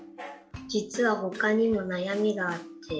じつはほかにもなやみがあって。